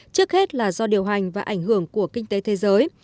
trước hết là do điều hành và ảnh hưởng của kinh tế thế giới